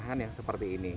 penahan yang seperti ini